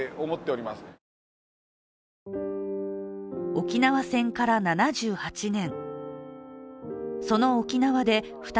沖縄戦から７８年。